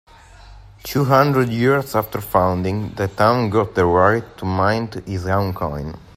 Two hundred years after founding, the town got the right to mint its own coin.